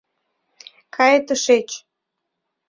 Кае тышеч!